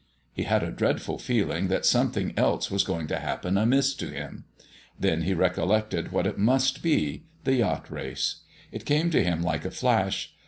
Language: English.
He had a dreadful feeling that something else was going to happen amiss to him. Then he recollected what it must be the yacht race. It came to him like a flash.